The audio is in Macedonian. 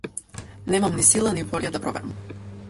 Немам ни сила ни волја да проверам.